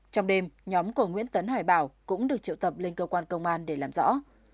trong đêm nhóm của nguyễn tấn hải bảo cũng được triệu tập lên cơ quan công an để làm rõ